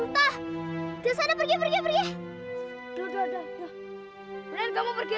berserah berserah berserah